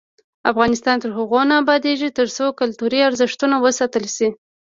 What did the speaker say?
افغانستان تر هغو نه ابادیږي، ترڅو کلتوري ارزښتونه وساتل شي.